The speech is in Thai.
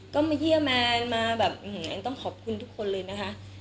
ก็มาเยี่ยมมาอันต้องขอบคุณทุกคนเลยนะคะ